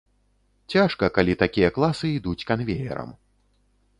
Цяжка, калі такія класы ідуць канвеерам.